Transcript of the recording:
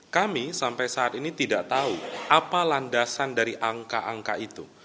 kami sampai saat ini tidak tahu apa landasan dari angka angka itu